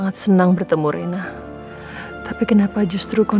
apaan sih ma dia kena musibah